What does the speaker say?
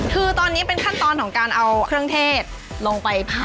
คือตอนนี้เป็นขั้นตอนของการเอาเครื่องเทศลงไปผัด